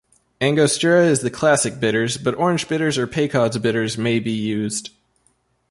Angostura is the classic bitters, but orange bitters or Peychaud's Bitters may be used.